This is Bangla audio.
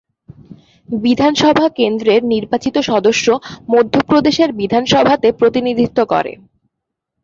বিধানসভা কেন্দ্রের নির্বাচিত সদস্য মধ্যপ্রদেশের বিধানসভাতে প্রতিনিধিত্ব করে।